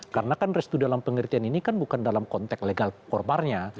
karena kan restu dalam pengertian ini kan bukan dalam konteks legal formalnya